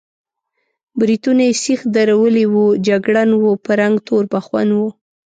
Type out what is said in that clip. برېتونه یې سېخ درولي وو، جګړن و، په رنګ تور بخون و.